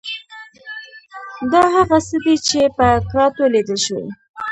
دا هغه څه دي چې په کراتو لیدل شوي.